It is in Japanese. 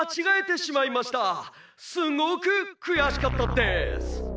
すごくくやしかったです」。